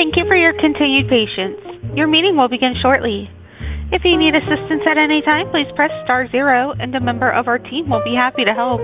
Thank you for your continued patience. Your meeting will begin shortly. If you need assistance at any time, please press star zero, and a member of our team will be happy to help.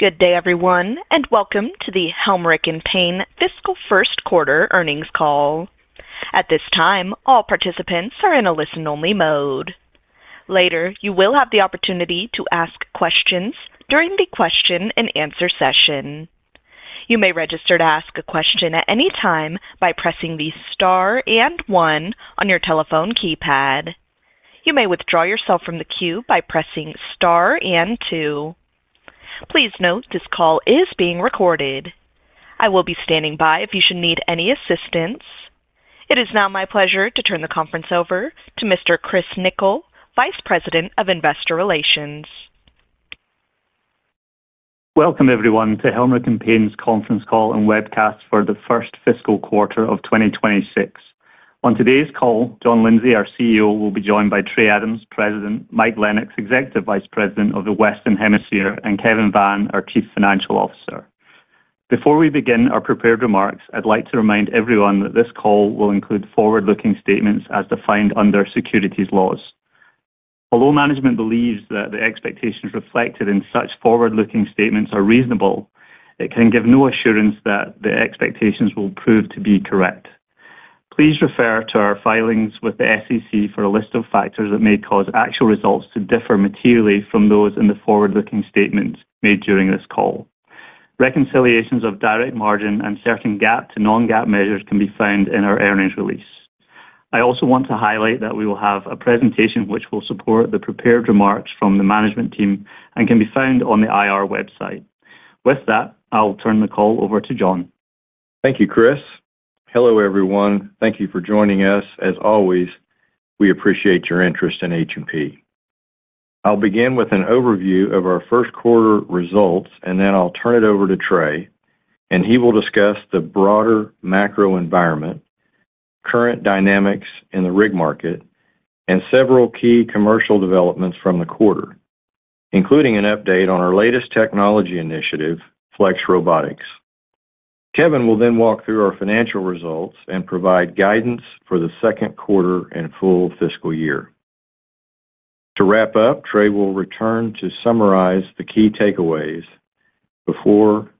Good day, everyone, and welcome to the Helmerich & Payne Fiscal First Quarter earnings call. At this time, all participants are in a listen-only mode. Later, you will have the opportunity to ask questions during the question-and-answer session. You may register to ask a question at any time by pressing the star and one on your telephone keypad. You may withdraw yourself from the queue by pressing star and two. Please note this call is being recorded. I will be standing by if you should need any assistance. It is now my pleasure to turn the conference over to Mr. Chris Nickel, Vice President of Investor Relations. Welcome, everyone, to Helmerich & Payne's conference call and webcast for the first fiscal quarter of 2026. On today's call, John Lindsay, our CEO, will be joined by Trey Adams, President; Mike Lennox, Executive Vice President of the Western Hemisphere; and Kevin Vann, our Chief Financial Officer. Before we begin our prepared remarks, I'd like to remind everyone that this call will include forward-looking statements as defined under securities laws. Although management believes that the expectations reflected in such forward-looking statements are reasonable, it can give no assurance that the expectations will prove to be correct. Please refer to our filings with the SEC for a list of factors that may cause actual results to differ materially from those in the forward-looking statements made during this call. Reconciliations of direct margin and certain GAAP-to-non-GAAP measures can be found in our earnings release. I also want to highlight that we will have a presentation which will support the prepared remarks from the management team and can be found on the IR website. With that, I'll turn the call over to John. Thank you, Chris. Hello, everyone. Thank you for joining us. As always, we appreciate your interest in H&P. I'll begin with an overview of our first quarter results, and then I'll turn it over to Trey, and he will discuss the broader macro environment, current dynamics in the rig market, and several key commercial developments from the quarter, including an update on our latest technology initiative, FlexRobotics. Kevin will then walk through our financial results and provide guidance for the second quarter and full fiscal year. To wrap up, Trey will return to summarize the key takeaways before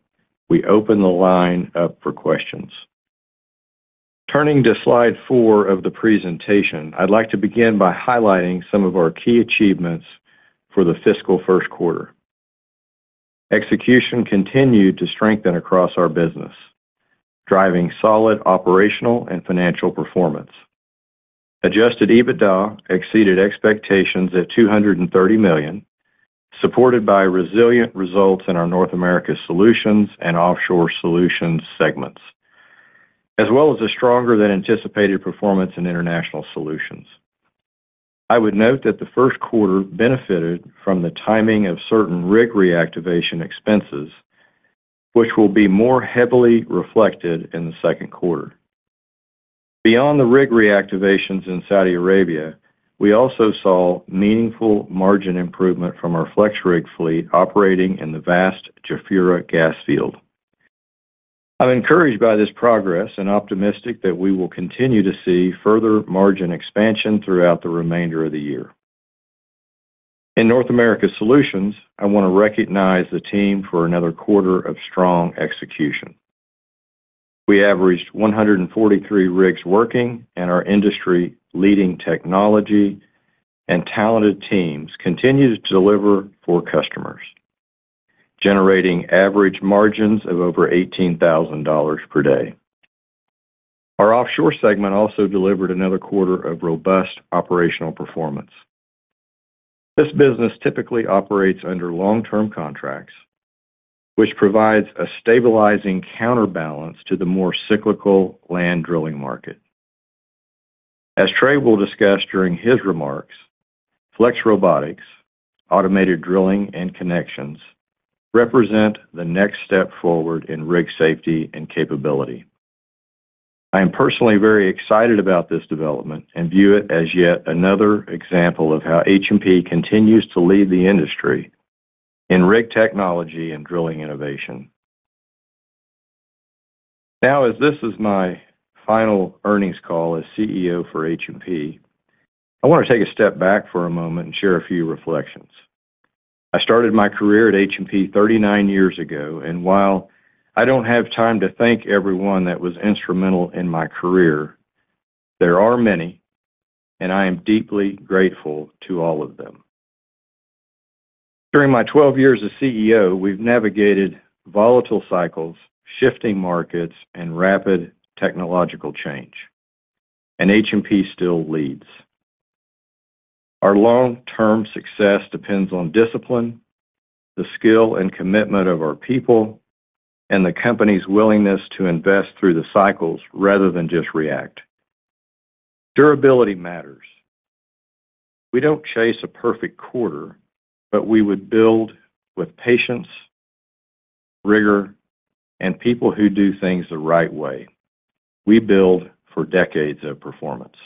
we open the line up for questions. Turning to slide 4 of the presentation, I'd like to begin by highlighting some of our key achievements for the fiscal first quarter. Execution continued to strengthen across our business, driving solid operational and financial performance. Adjusted EBITDA exceeded expectations at $230 million, supported by resilient results in our North America Solutions and Offshore Solutions segments, as well as a stronger-than-anticipated performance in international solutions. I would note that the first quarter benefited from the timing of certain rig reactivation expenses, which will be more heavily reflected in the second quarter. Beyond the rig reactivations in Saudi Arabia, we also saw meaningful margin improvement from our FlexRigs fleet operating in the vast Jafurah Gas Field. I'm encouraged by this progress and optimistic that we will continue to see further margin expansion throughout the remainder of the year. In North America Solutions, I want to recognize the team for another quarter of strong execution. We averaged 143 rigs working, and our industry-leading technology and talented teams continued to deliver for customers, generating average margins of over $18,000 per day. Our offshore segment also delivered another quarter of robust operational performance. This business typically operates under long-term contracts, which provides a stabilizing counterbalance to the more cyclical land drilling market. As Trey will discuss during his remarks, FlexRobotics, automated drilling, and connections represent the next step forward in rig safety and capability. I am personally very excited about this development and view it as yet another example of how H&P continues to lead the industry in rig technology and drilling innovation. Now, as this is my final earnings call as CEO for H&P, I want to take a step back for a moment and share a few reflections. I started my career at H&P 39 years ago, and while I don't have time to thank everyone that was instrumental in my career, there are many, and I am deeply grateful to all of them. During my 12 years as CEO, we've navigated volatile cycles, shifting markets, and rapid technological change, and H&P still leads. Our long-term success depends on discipline, the skill and commitment of our people, and the company's willingness to invest through the cycles rather than just react. Durability matters. We don't chase a perfect quarter, but we would build with patience, rigor, and people who do things the right way. We build for decades of performance.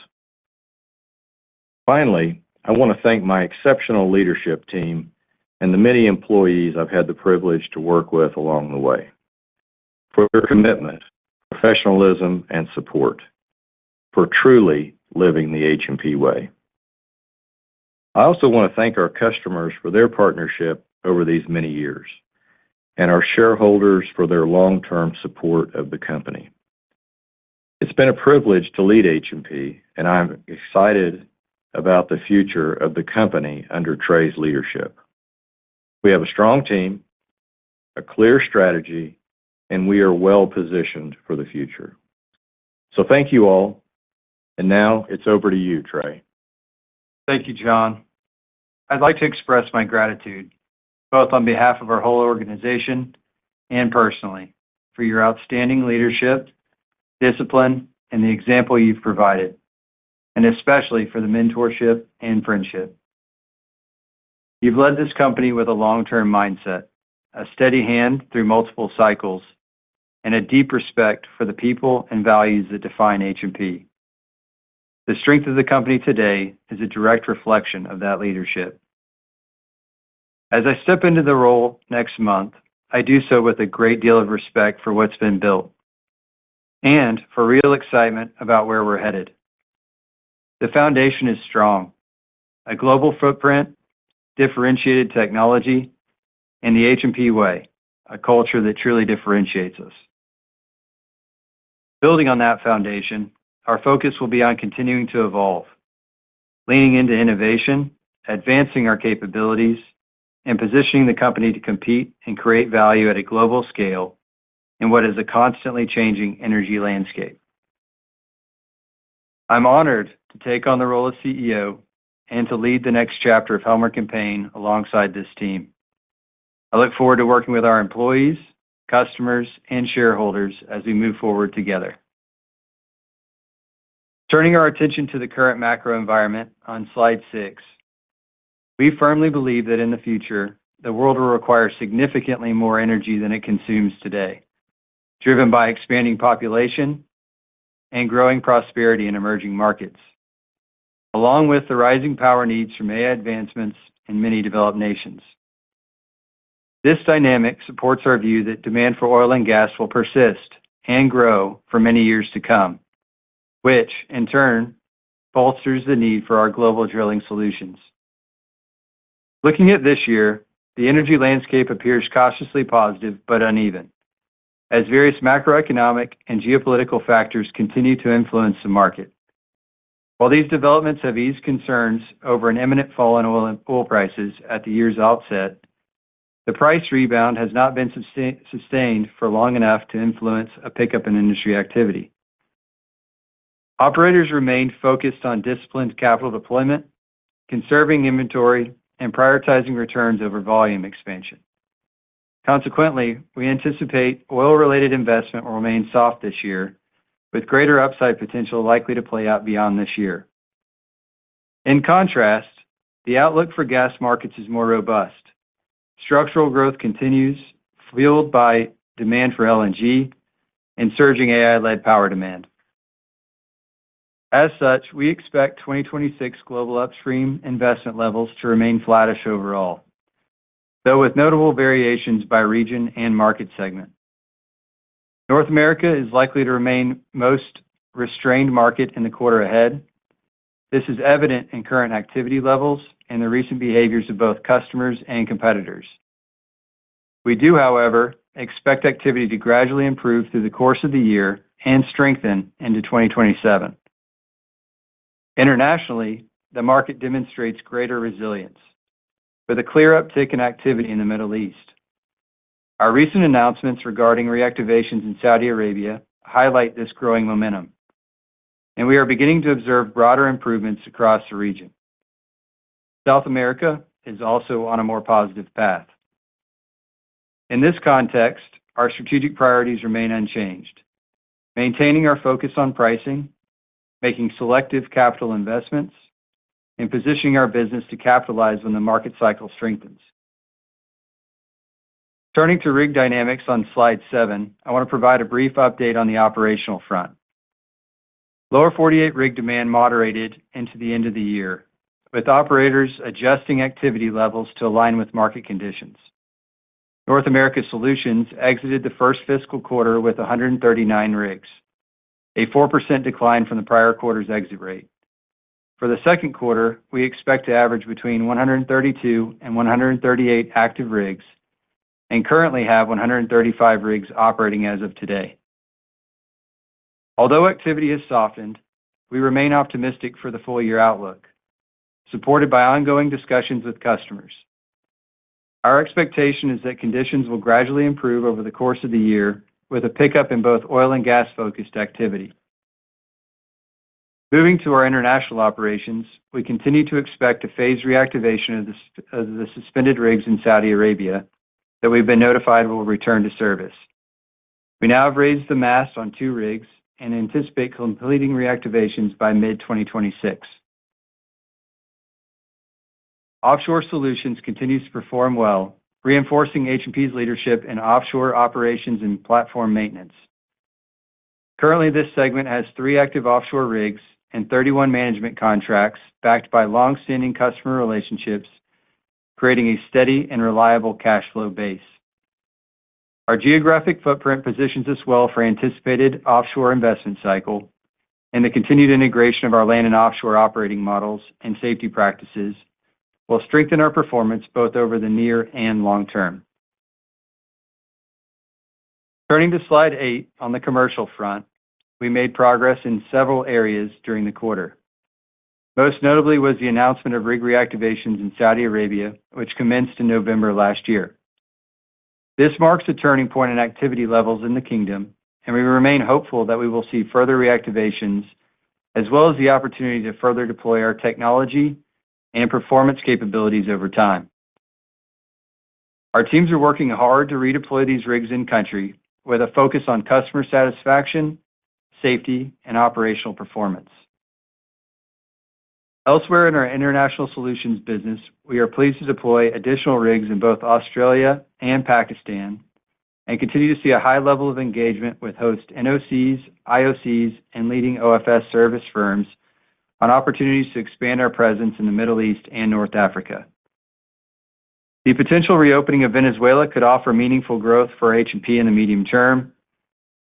Finally, I want to thank my exceptional leadership team and the many employees I've had the privilege to work with along the way for their commitment, professionalism, and support for truly living the H&P Way. I also want to thank our customers for their partnership over these many years and our shareholders for their long-term support of the company. It's been a privilege to lead H&P, and I'm excited about the future of the company under Trey's leadership. We have a strong team, a clear strategy, and we are well-positioned for the future. So thank you all, and now it's over to you, Trey. Thank you, John. I'd like to express my gratitude, both on behalf of our whole organization and personally, for your outstanding leadership, discipline, and the example you've provided, and especially for the mentorship and friendship. You've led this company with a long-term mindset, a steady hand through multiple cycles, and a deep respect for the people and values that define H&P. The strength of the company today is a direct reflection of that leadership. As I step into the role next month, I do so with a great deal of respect for what's been built and for real excitement about where we're headed. The foundation is strong: a global footprint, differentiated technology, and the H&P Way, a culture that truly differentiates us. Building on that foundation, our focus will be on continuing to evolve, leaning into innovation, advancing our capabilities, and positioning the company to compete and create value at a global scale in what is a constantly changing energy landscape. I'm honored to take on the role of CEO and to lead the next chapter of Helmerich & Payne alongside this team. I look forward to working with our employees, customers, and shareholders as we move forward together. Turning our attention to the current macro environment on slide 6, we firmly believe that in the future, the world will require significantly more energy than it consumes today, driven by expanding population and growing prosperity in emerging markets, along with the rising power needs from AI advancements in many developed nations. This dynamic supports our view that demand for oil and gas will persist and grow for many years to come, which, in turn, bolsters the need for our global drilling solutions. Looking at this year, the energy landscape appears cautiously positive but uneven, as various macroeconomic and geopolitical factors continue to influence the market. While these developments have eased concerns over an imminent fall in oil prices at the year's outset, the price rebound has not been sustained for long enough to influence a pickup in industry activity. Operators remain focused on disciplined capital deployment, conserving inventory, and prioritizing returns over volume expansion. Consequently, we anticipate oil-related investment will remain soft this year, with greater upside potential likely to play out beyond this year. In contrast, the outlook for gas markets is more robust. Structural growth continues, fueled by demand for LNG and surging AI-led power demand. As such, we expect 2026 global upstream investment levels to remain flattish overall, though with notable variations by region and market segment. North America is likely to remain the most restrained market in the quarter ahead. This is evident in current activity levels and the recent behaviors of both customers and competitors. We do, however, expect activity to gradually improve through the course of the year and strengthen into 2027. Internationally, the market demonstrates greater resilience, with a clear uptick in activity in the Middle East. Our recent announcements regarding reactivations in Saudi Arabia highlight this growing momentum, and we are beginning to observe broader improvements across the region. South America is also on a more positive path. In this context, our strategic priorities remain unchanged: maintaining our focus on pricing, making selective capital investments, and positioning our business to capitalize when the market cycle strengthens. Turning to rig dynamics on slide 7, I want to provide a brief update on the operational front. Lower 48 rig demand moderated into the end of the year, with operators adjusting activity levels to align with market conditions. North America Solutions exited the first fiscal quarter with 139 rigs, a 4% decline from the prior quarter's exit rate. For the second quarter, we expect to average between 132 and 138 active rigs and currently have 135 rigs operating as of today. Although activity has softened, we remain optimistic for the full-year outlook, supported by ongoing discussions with customers. Our expectation is that conditions will gradually improve over the course of the year, with a pickup in both oil and gas-focused activity. Moving to our international operations, we continue to expect a phased reactivation of the suspended rigs in Saudi Arabia that we've been notified will return to service. We now have raised the mast on 2 rigs and anticipate completing reactivations by mid-2026. Offshore Solutions continues to perform well, reinforcing H&P's leadership in offshore operations and platform maintenance. Currently, this segment has 3 active offshore rigs and 31 management contracts backed by longstanding customer relationships, creating a steady and reliable cash flow base. Our geographic footprint positions us well for the anticipated offshore investment cycle, and the continued integration of our land and offshore operating models and safety practices will strengthen our performance both over the near and long term. Turning to slide 8 on the commercial front, we made progress in several areas during the quarter. Most notably was the announcement of rig reactivations in Saudi Arabia, which commenced in November last year. This marks a turning point in activity levels in the Kingdom, and we remain hopeful that we will see further reactivations as well as the opportunity to further deploy our technology and performance capabilities over time. Our teams are working hard to redeploy these rigs in-country with a focus on customer satisfaction, safety, and operational performance. Elsewhere in our international solutions business, we are pleased to deploy additional rigs in both Australia and Pakistan and continue to see a high level of engagement with host NOCs, IOCs, and leading OFS service firms on opportunities to expand our presence in the Middle East and North Africa. The potential reopening of Venezuela could offer meaningful growth for H&P in the medium term.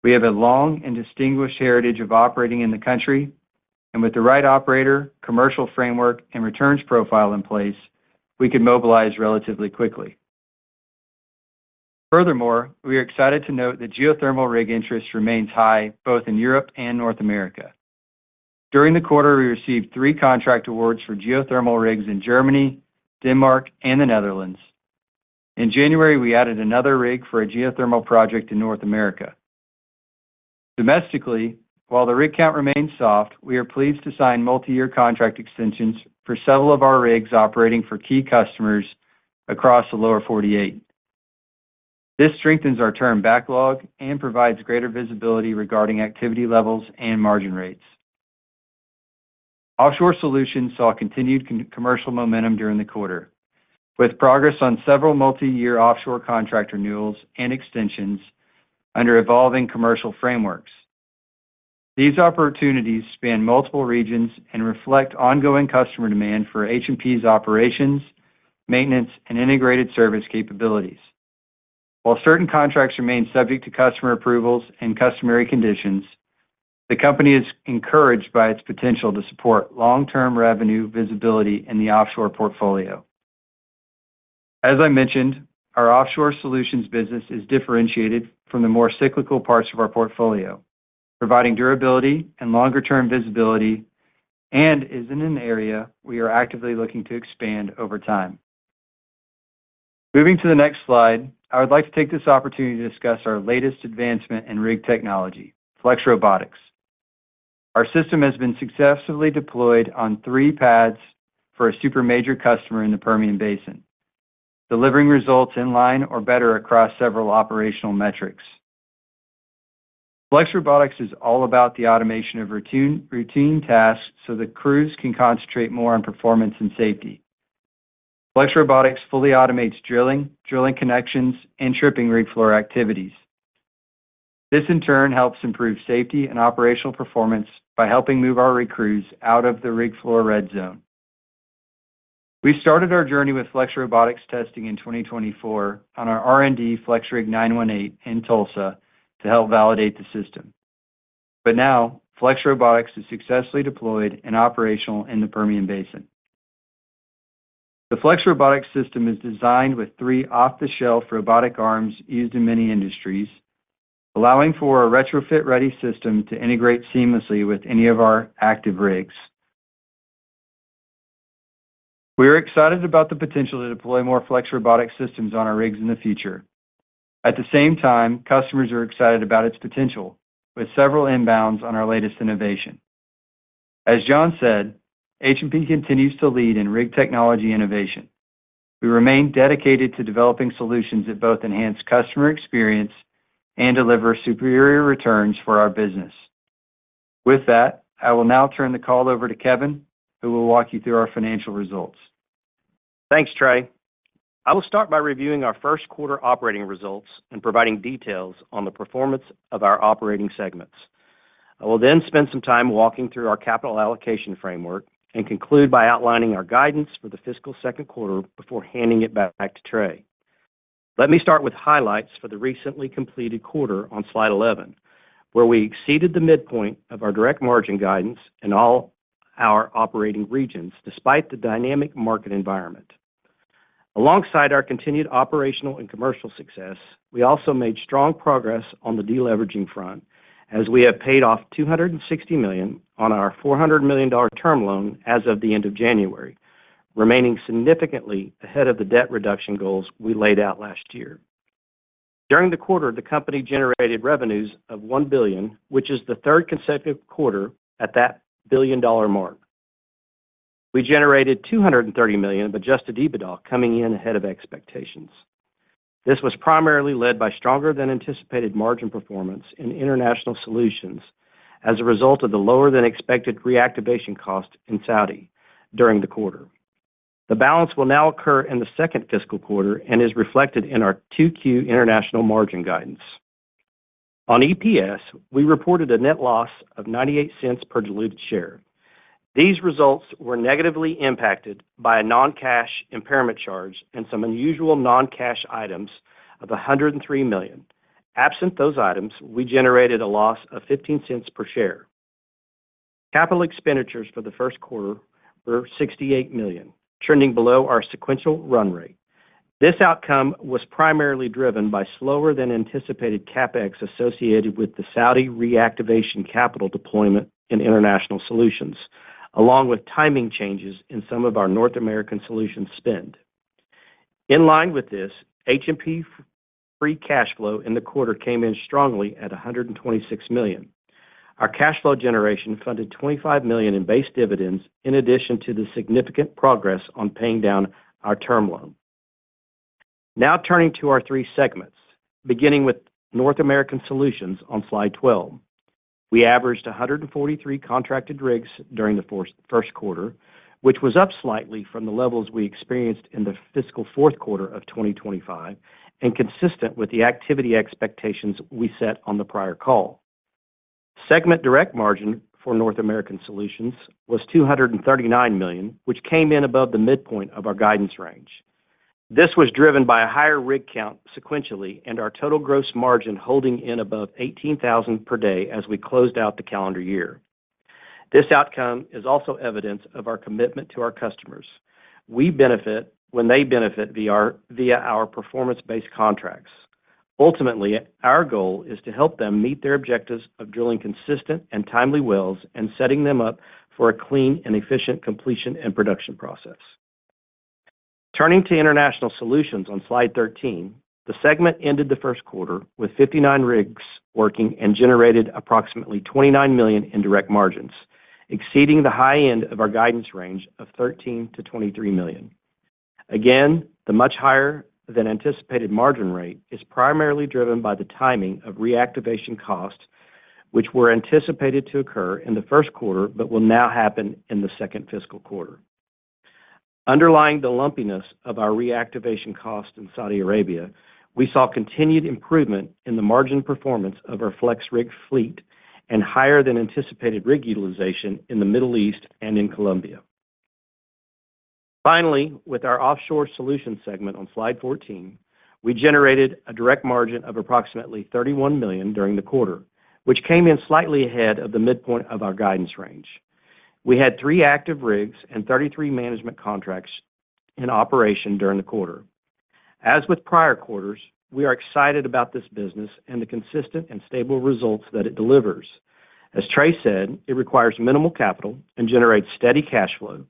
We have a long and distinguished heritage of operating in the country, and with the right operator, commercial framework, and returns profile in place, we could mobilize relatively quickly. Furthermore, we are excited to note that geothermal rig interest remains high both in Europe and North America. During the quarter, we received three contract awards for geothermal rigs in Germany, Denmark, and the Netherlands. In January, we added another rig for a geothermal project in North America. Domestically, while the rig count remains soft, we are pleased to sign multi-year contract extensions for several of our rigs operating for key customers across the lower 48. This strengthens our term backlog and provides greater visibility regarding activity levels and margin rates. Offshore Solutions saw continued commercial momentum during the quarter, with progress on several multi-year offshore contract renewals and extensions under evolving commercial frameworks. These opportunities span multiple regions and reflect ongoing customer demand for H&P's operations, maintenance, and integrated service capabilities. While certain contracts remain subject to customer approvals and customary conditions, the company is encouraged by its potential to support long-term revenue visibility in the offshore portfolio. As I mentioned, our offshore solutions business is differentiated from the more cyclical parts of our portfolio, providing durability and longer-term visibility, and is in an area we are actively looking to expand over time. Moving to the next slide, I would like to take this opportunity to discuss our latest advancement in rig technology, FlexRobotics. Our system has been successfully deployed on three pads for a Super Major customer in the Permian Basin, delivering results in line or better across several operational metrics. FlexRobotics is all about the automation of routine tasks so the crews can concentrate more on performance and safety. FlexRobotics fully automates drilling, drilling connections, and tripping rig floor activities. This, in turn, helps improve safety and operational performance by helping move our rig crews out of the rig floor Red Zone. We started our journey with FlexRobotics testing in 2024 on our R&D FlexRig 918 in Tulsa to help validate the system. But now, FlexRobotics is successfully deployed and operational in the Permian Basin. The FlexRobotics system is designed with three off-the-shelf robotic arms used in many industries, allowing for a retrofit-ready system to integrate seamlessly with any of our active rigs. We are excited about the potential to deploy more FlexRobotics systems on our rigs in the future. At the same time, customers are excited about its potential, with several inbounds on our latest innovation. As John said, H&P continues to lead in rig technology innovation. We remain dedicated to developing solutions that both enhance customer experience and deliver superior returns for our business. With that, I will now turn the call over to Kevin, who will walk you through our financial results. Thanks, Trey. I will start by reviewing our first quarter operating results and providing details on the performance of our operating segments. I will then spend some time walking through our capital allocation framework and conclude by outlining our guidance for the fiscal second quarter before handing it back to Trey. Let me start with highlights for the recently completed quarter on slide 11, where we exceeded the midpoint of our direct margin guidance in all our operating regions despite the dynamic market environment. Alongside our continued operational and commercial success, we also made strong progress on the deleveraging front, as we have paid off $260 million on our $400 million term loan as of the end of January, remaining significantly ahead of the debt reduction goals we laid out last year. During the quarter, the company generated revenues of $1 billion, which is the third consecutive quarter at that billion-dollar mark. We generated $230 million Adjusted EBITDA coming in ahead of expectations. This was primarily led by stronger-than-anticipated margin performance in international solutions as a result of the lower-than-expected reactivation cost in Saudi during the quarter. The balance will now occur in the second fiscal quarter and is reflected in our 2Q international margin guidance. On EPS, we reported a net loss of $0.98 per diluted share. These results were negatively impacted by a non-cash impairment charge and some unusual non-cash items of $103 million. Absent those items, we generated a loss of $0.15 per share. Capital expenditures for the first quarter were $68 million, trending below our sequential run rate. This outcome was primarily driven by slower-than-anticipated CapEx associated with the Saudi reactivation capital deployment in International Solutions, along with timing changes in some of our North American Solutions spend. In line with this, H&P free cash flow in the quarter came in strongly at $126 million. Our cash flow generation funded $25 million in base dividends in addition to the significant progress on paying down our term loan. Now turning to our three segments, beginning with North American Solutions on slide 12, we averaged 143 contracted rigs during the first quarter, which was up slightly from the levels we experienced in the fiscal fourth quarter of 2025 and consistent with the activity expectations we set on the prior call. Segment direct margin for North American Solutions was $239 million, which came in above the midpoint of our guidance range. This was driven by a higher rig count sequentially and our total gross margin holding in above $18,000 per day as we closed out the calendar year. This outcome is also evidence of our commitment to our customers. We benefit when they benefit via our performance-based contracts. Ultimately, our goal is to help them meet their objectives of drilling consistent and timely wells and setting them up for a clean and efficient completion and production process. Turning to international solutions on slide 13, the segment ended the first quarter with 59 rigs working and generated approximately $29 million in direct margins, exceeding the high end of our guidance range of $13 million-$23 million. Again, the much higher-than-anticipated margin rate is primarily driven by the timing of reactivation costs, which were anticipated to occur in the first quarter but will now happen in the second fiscal quarter. Underlying the lumpiness of our reactivation costs in Saudi Arabia, we saw continued improvement in the margin performance of our FlexRig fleet and higher-than-anticipated rig utilization in the Middle East and in Colombia. Finally, with our offshore solutions segment on slide 14, we generated a direct margin of approximately $31 million during the quarter, which came in slightly ahead of the midpoint of our guidance range. We had 3 active rigs and 33 management contracts in operation during the quarter. As with prior quarters, we are excited about this business and the consistent and stable results that it delivers. As Trey said, it requires minimal capital and generates steady cash flow,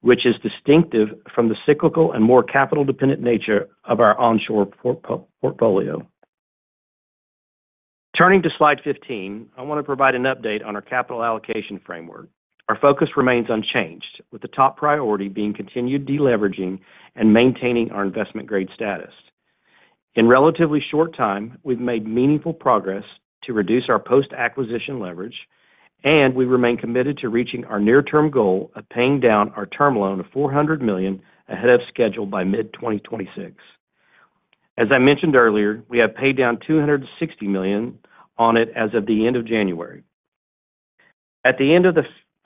which is distinctive from the cyclical and more capital-dependent nature of our onshore portfolio. Turning to slide 15, I want to provide an update on our capital allocation framework. Our focus remains unchanged, with the top priority being continued deleveraging and maintaining our investment-grade status. In relatively short time, we've made meaningful progress to reduce our post-acquisition leverage, and we remain committed to reaching our near-term goal of paying down our term loan of $400 million ahead of schedule by mid-2026. As I mentioned earlier, we have paid down $260 million on it as of the end of January. At the end of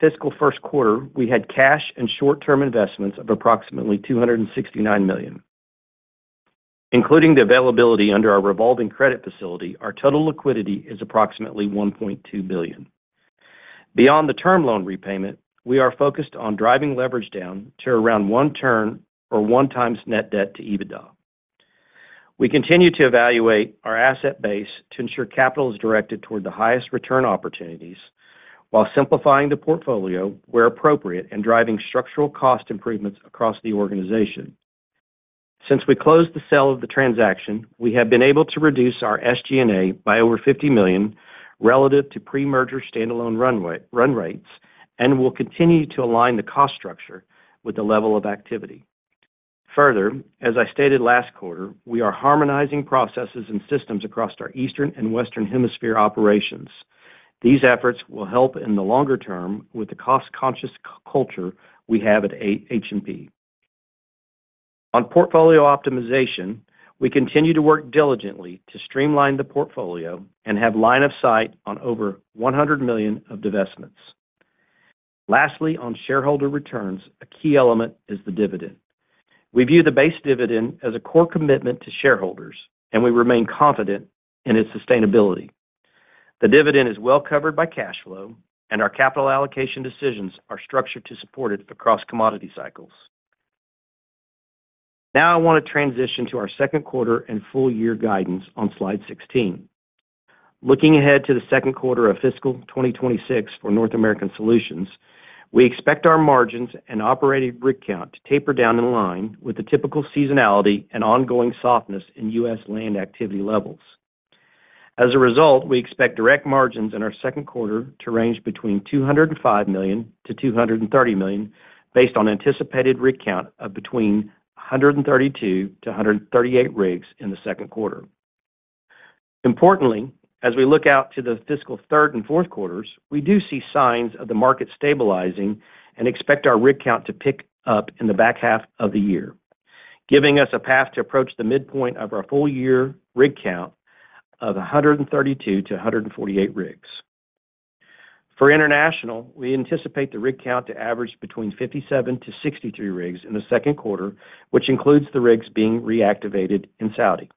the fiscal first quarter, we had cash and short-term investments of approximately $269 million. Including the availability under our revolving credit facility, our total liquidity is approximately $1.2 billion. Beyond the term loan repayment, we are focused on driving leverage down to around one turn or one times net debt to EBITDA. We continue to evaluate our asset base to ensure capital is directed toward the highest return opportunities while simplifying the portfolio where appropriate and driving structural cost improvements across the organization. Since we closed the sale of the transaction, we have been able to reduce our SG&A by over $50 million relative to pre-merger standalone run rates and will continue to align the cost structure with the level of activity. Further, as I stated last quarter, we are harmonizing processes and systems across our eastern and western hemisphere operations. These efforts will help in the longer term with the cost-conscious culture we have at H&P. On portfolio optimization, we continue to work diligently to streamline the portfolio and have line of sight on over $100 million of divestments. Lastly, on shareholder returns, a key element is the dividend. We view the base dividend as a core commitment to shareholders, and we remain confident in its sustainability. The dividend is well covered by cash flow, and our capital allocation decisions are structured to support it across commodity cycles. Now I want to transition to our second quarter and full-year guidance on slide 16. Looking ahead to the second quarter of fiscal 2026 for North American Solutions, we expect our margins and operated RIG count to taper down in line with the typical seasonality and ongoing softness in U.S. land activity levels. As a result, we expect direct margins in our second quarter to range between $205 million-$230 million based on anticipated rig count of between 132-138 rigs in the second quarter. Importantly, as we look out to the fiscal third and fourth quarters, we do see signs of the market stabilizing and expect our rig count to pick up in the back half of the year, giving us a path to approach the midpoint of our full-year rig count of 132-148 rigs. For international, we anticipate the rig count to average between 57-63 rigs in the second quarter, which includes the rigs being reactivated in Saudi.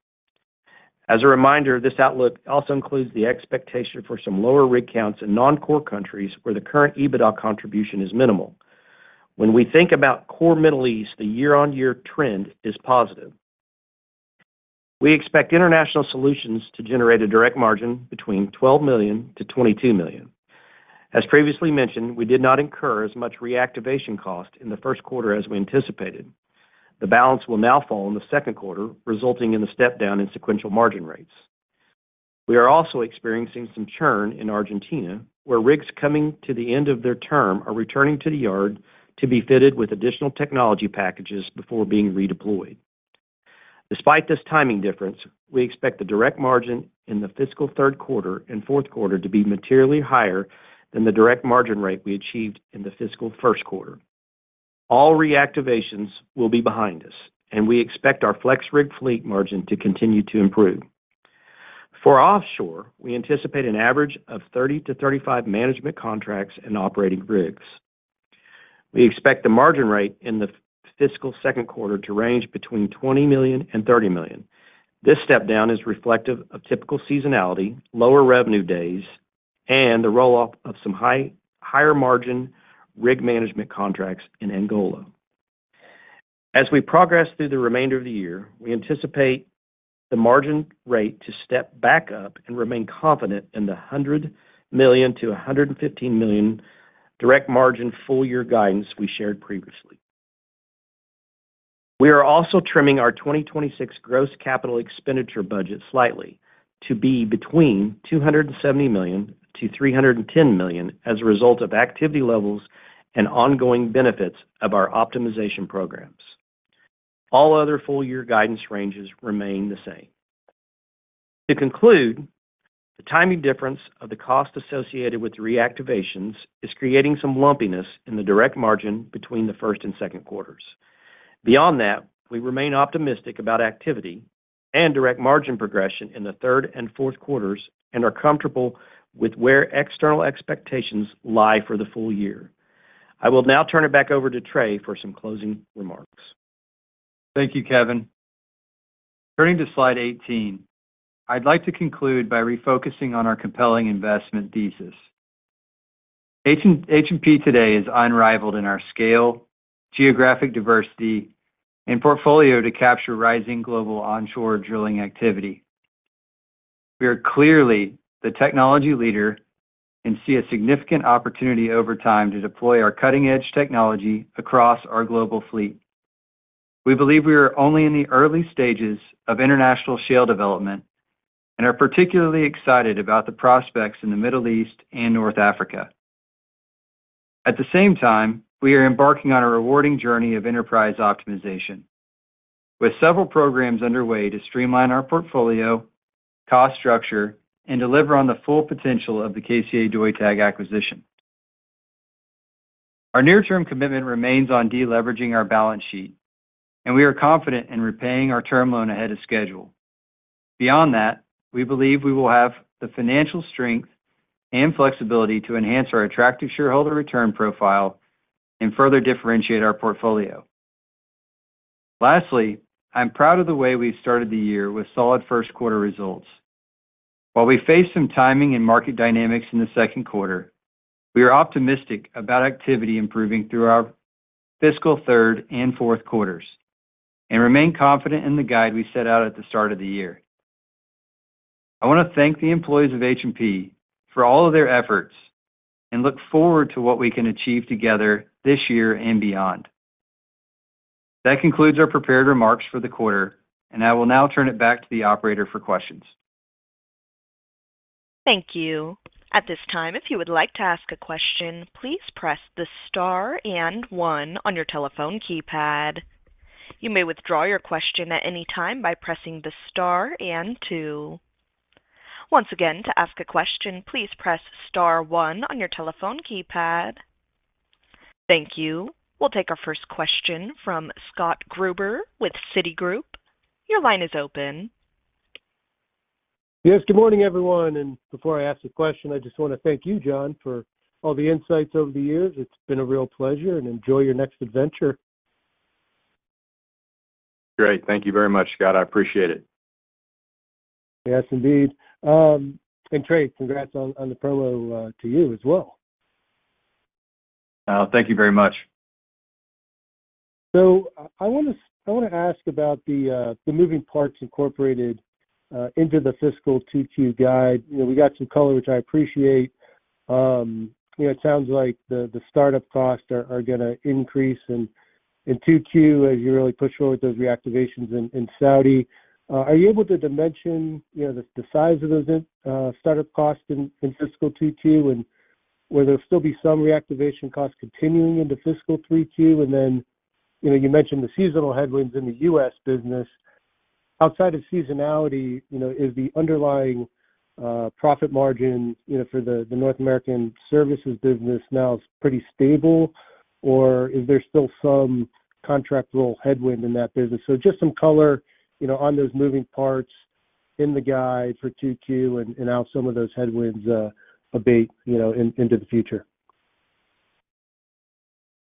As a reminder, this outlook also includes the expectation for some lower rig counts in non-core countries where the current EBITDA contribution is minimal. When we think about core Middle East, the year-on-year trend is positive. We expect international solutions to generate a direct margin between $12 million-$22 million. As previously mentioned, we did not incur as much reactivation cost in the first quarter as we anticipated. The balance will now fall in the second quarter, resulting in the step down in sequential margin rates. We are also experiencing some churn in Argentina, where rigs coming to the end of their term are returning to the yard to be fitted with additional technology packages before being redeployed. Despite this timing difference, we expect the direct margin in the fiscal third quarter and fourth quarter to be materially higher than the direct margin rate we achieved in the fiscal first quarter. All reactivations will be behind us, and we expect our FlexRig fleet margin to continue to improve. For offshore, we anticipate an average of 30-35 management contracts and operating rigs. We expect the margin rate in the fiscal second quarter to range between $20 million and $30 million. This step down is reflective of typical seasonality, lower revenue days, and the roll-off of some higher margin rig management contracts in Angola. As we progress through the remainder of the year, we anticipate the margin rate to step back up and remain confident in the $100 million-$115 million direct margin full-year guidance we shared previously. We are also trimming our 2026 gross capital expenditure budget slightly to be between $270 million-$310 million as a result of activity levels and ongoing benefits of our optimization programs. All other full-year guidance ranges remain the same. To conclude, the timing difference of the cost associated with reactivations is creating some lumpiness in the direct margin between the first and second quarters. Beyond that, we remain optimistic about activity and direct margin progression in the third and fourth quarters and are comfortable with where external expectations lie for the full year. I will now turn it back over to Trey for some closing remarks. Thank you, Kevin. Turning to slide 18, I'd like to conclude by refocusing on our compelling investment thesis. H&P today is unrivaled in our scale, geographic diversity, and portfolio to capture rising global onshore drilling activity. We are clearly the technology leader and see a significant opportunity over time to deploy our cutting-edge technology across our global fleet. We believe we are only in the early stages of international shale development and are particularly excited about the prospects in the Middle East and North Africa. At the same time, we are embarking on a rewarding journey of enterprise optimization, with several programs underway to streamline our portfolio, cost structure, and deliver on the full potential of the KCA Deutag acquisition. Our near-term commitment remains on deleveraging our balance sheet, and we are confident in repaying our term loan ahead of schedule. Beyond that, we believe we will have the financial strength and flexibility to enhance our attractive shareholder return profile and further differentiate our portfolio. Lastly, I'm proud of the way we started the year with solid first quarter results. While we face some timing and market dynamics in the second quarter, we are optimistic about activity improving through our fiscal third and fourth quarters and remain confident in the guide we set out at the start of the year. I want to thank the employees of H&P for all of their efforts and look forward to what we can achieve together this year and beyond. That concludes our prepared remarks for the quarter, and I will now turn it back to the operator for questions. Thank you. At this time, if you would like to ask a question, please press the star and one on your telephone keypad. You may withdraw your question at any time by pressing the star and two. Once again, to ask a question, please press star one on your telephone keypad. Thank you. We'll take our first question from Scott Gruber with Citigroup. Your line is open. Yes. Good morning, everyone. Before I ask the question, I just want to thank you, John, for all the insights over the years. It's been a real pleasure, and enjoy your next adventure. Great. Thank you very much, Scott. I appreciate it. Yes, indeed. Trey, congrats on the promo to you as well. Thank you very much. So I want to ask about the moving parts incorporated into the fiscal 2Q guide. We got some color, which I appreciate. It sounds like the startup costs are going to increase in 2Q as you really push forward those reactivations in Saudi. Are you able to dimension the size of those startup costs in fiscal 2Q and will there still be some reactivation costs continuing into fiscal 3Q? And then you mentioned the seasonal headwinds in the U.S. business. Outside of seasonality, is the underlying profit margin for the North American services business now pretty stable, or is there still some contractual headwind in that business? So just some color on those moving parts in the guide for 2Q and how some of those headwinds abate into the future.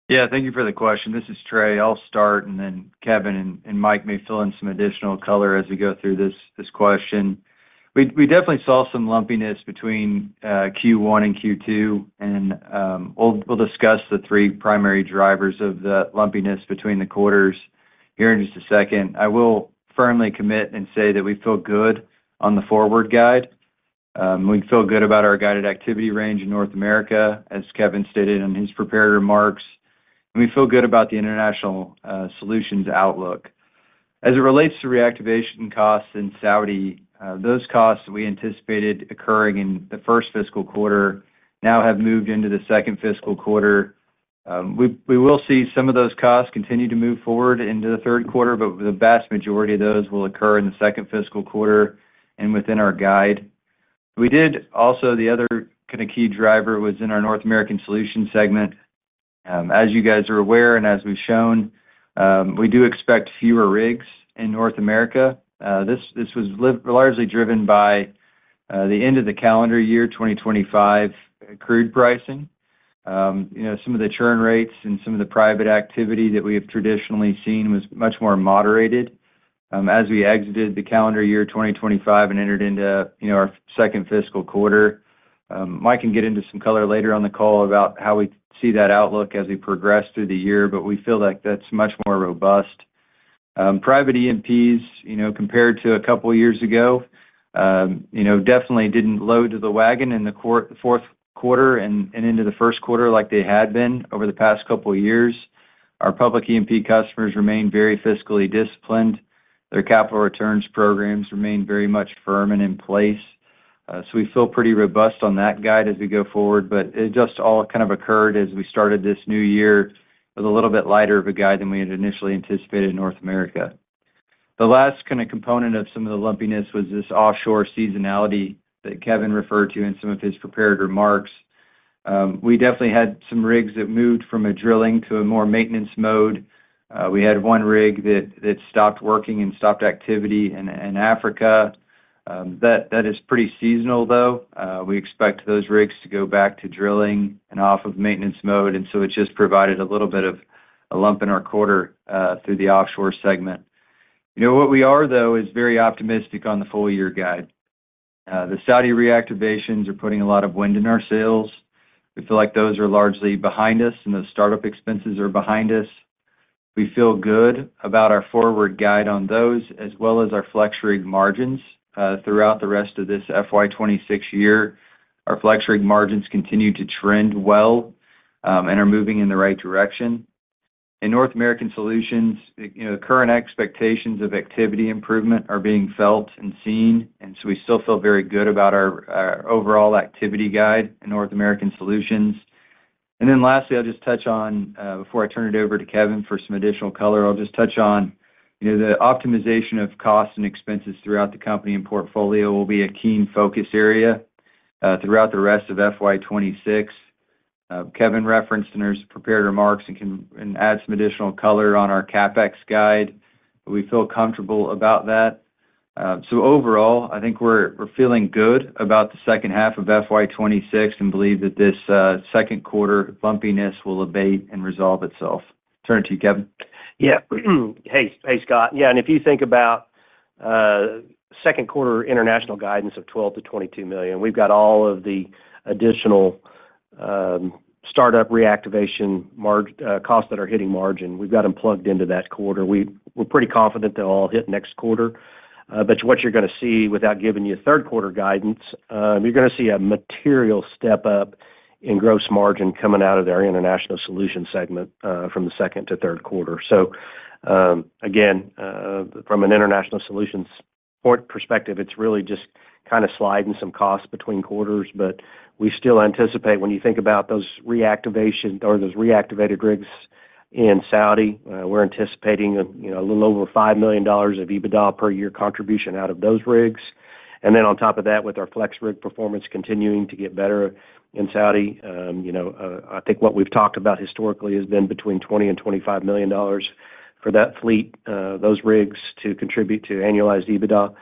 Yeah. Thank you for the question. This is Trey. I'll start, and then Kevin and Mike may fill in some additional color as we go through this question. We definitely saw some lumpiness between Q1 and Q2, and we'll discuss the three primary drivers of the lumpiness between the quarters here in just a second. I will firmly commit and say that we feel good on the forward guide. We feel good about our guided activity range in North America, as Kevin stated in his prepared remarks. And we feel good about the international solutions outlook. As it relates to reactivation costs in Saudi, those costs that we anticipated occurring in the first fiscal quarter now have moved into the second fiscal quarter. We will see some of those costs continue to move forward into the third quarter, but the vast majority of those will occur in the second fiscal quarter and within our guide. Also, the other kind of key driver was in our North America Solutions segment. As you guys are aware and as we've shown, we do expect fewer rigs in North America. This was largely driven by the end of the calendar year 2025 crude pricing. Some of the churn rates and some of the private activity that we have traditionally seen was much more moderated as we exited the calendar year 2025 and entered into our second fiscal quarter. Mike can get into some color later on the call about how we see that outlook as we progress through the year, but we feel like that's much more robust. Private E&Ps, compared to a couple of years ago, definitely didn't load the wagon in the fourth quarter and into the first quarter like they had been over the past couple of years. Our public EMP customers remain very fiscally disciplined. Their capital returns programs remain very much firm and in place. So we feel pretty robust on that guide as we go forward. But it just all kind of occurred as we started this new year with a little bit lighter of a guide than we had initially anticipated in North America. The last kind of component of some of the lumpiness was this offshore seasonality that Kevin referred to in some of his prepared remarks. We definitely had some rigs that moved from a drilling to a more maintenance mode. We had one rig that stopped working and stopped activity in Africa. That is pretty seasonal, though. We expect those FlexRigs to go back to drilling and off of maintenance mode. So it just provided a little bit of a lump in our quarter through the offshore segment. What we are, though, is very optimistic on the full-year guide. The Saudi reactivations are putting a lot of wind in our sails. We feel like those are largely behind us, and those startup expenses are behind us. We feel good about our forward guide on those as well as our FlexRig margins throughout the rest of this FY 2026 year. Our FlexRig margins continue to trend well and are moving in the right direction. In North America Solutions, the current expectations of activity improvement are being felt and seen. So we still feel very good about our overall activity guide in North America Solutions. Then lastly, I'll just touch on, before I turn it over to Kevin for some additional color, the optimization of costs and expenses throughout the company and portfolio will be a keen focus area throughout the rest of FY 2026. Kevin referenced in his prepared remarks and can add some additional color on our CapEx guide, but we feel comfortable about that. So overall, I think we're feeling good about the second half of FY 2026 and believe that this second quarter lumpiness will abate and resolve itself. Turn it to you, Kevin. Yeah. Hey, Scott. Yeah. And if you think about second quarter international guidance of $12 million-$22 million, we've got all of the additional startup reactivation costs that are hitting margin. We've got them plugged into that quarter. We're pretty confident they'll all hit next quarter. But what you're going to see without giving you third quarter guidance, you're going to see a material step up in gross margin coming out of our International Solutions segment from the second to third quarter. So again, from an international solutions perspective, it's really just kind of sliding some costs between quarters. But we still anticipate, when you think about those reactivation or those reactivated rigs in Saudi, we're anticipating a little over $5 million of EBITDA per year contribution out of those rigs. Then on top of that, with our FlexRig performance continuing to get better in Saudi, I think what we've talked about historically has been between $20 million-$25 million for that fleet, those rigs to contribute to annualized EBITDA.